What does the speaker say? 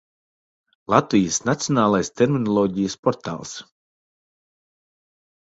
Latvijas Nacionālais terminoloģijas portāls